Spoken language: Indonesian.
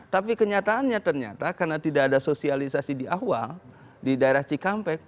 tapi kenyataannya ternyata karena tidak ada sosialisasi di awal di daerah cikampek